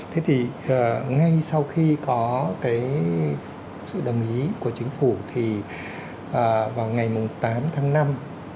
thế thì ngay sau khi có cái sự đồng ý của chính phủ thì vào ngày tám tháng năm năm hai nghìn hai mươi